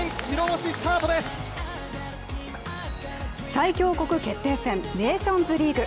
最強国決定戦ネーションズリーグ。